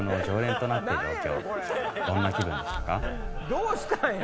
どうしたんや？